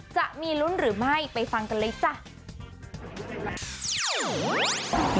จะมีลุ้นหรือไม่ไปฟังกันเลยจ้ะ